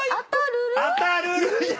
当たるる？